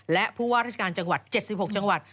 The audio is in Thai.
และผู้ว่าราชการจังหวัด๗๖จังหวัด